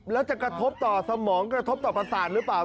แล้วจะกระทบต่อสมองกระทบต่อประสาทหรือเปล่า